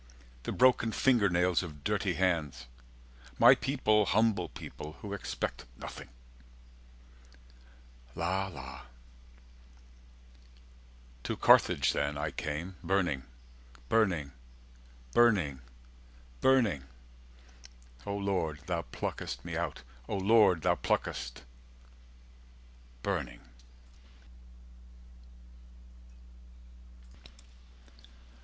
The broken fingernails of dirty hands. My people humble people who expect Nothing." la la To Carthage then I came Burning burning burning burning O Lord Thou pluckest me out O Lord Thou pluckest 310 burning IV.